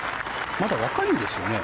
まだ若いんですよね。